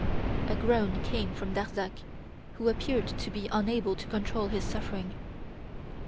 A groan came from Darzac, who appeared to be unable to control his suffering.